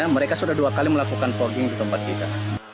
mereka sudah dua kali melakukan fogging di tempat kita